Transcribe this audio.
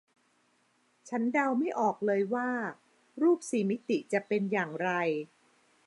ฉันเดาไม่ออกเลยว่ารูปสี่มิติจะเป็นอย่างไร